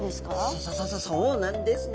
そそそそそうなんですね。